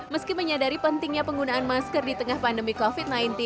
meski menyadari pentingnya penggunaan masker di tengah pandemi covid sembilan belas